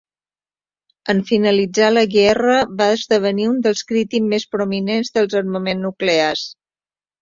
En finalitzar la guerra, va esdevenir un dels crítics més prominents dels armaments nuclears.